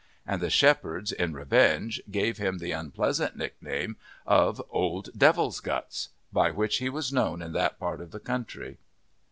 And the shepherds in revenge gave him the unpleasant nickname of "Old Devil's Guts," by which he was known in that part of the country.